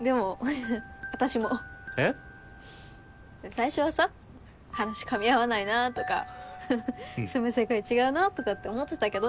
最初はさ話かみ合わないなとか住む世界違うなとかって思ってたけど。